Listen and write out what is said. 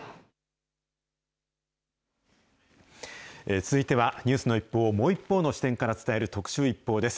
続いてはニュースの一報をもう一方の視点から伝える、特集ＩＰＰＯＵです。